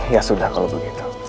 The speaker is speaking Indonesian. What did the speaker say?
ya sudah kalau begitu